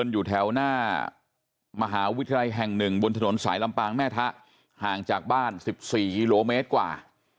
อยู่แถวหน้ามหาวิทยาลัยแห่ง๑บนถนนสายลำปางแม่ทะห่างจากบ้าน๑๔กิโลเมตรกว่า